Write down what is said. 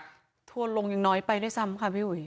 ถูกถ่วงลงอย่างน้อยไปนัยซ้ำค่ะพี่อุ๋ย